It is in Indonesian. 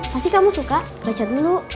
pasti kamu suka baca dulu